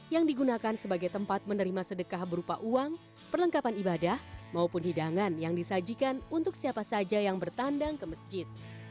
yang digunakan sebagai tempat menerima sedekah berupa uang perlengkapan ibadah maupun hidangan yang disajikan untuk siapa saja yang bertandang ke masjid